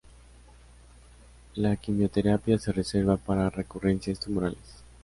La quimioterapia se reserva para recurrencias tumorales.